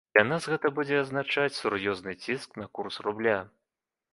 Для нас гэта будзе азначаць сур'ёзны ціск на курс рубля.